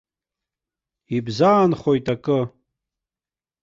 Ибзаанхоит акы.